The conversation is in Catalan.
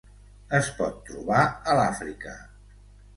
Es pot trobar a l'Àfrica.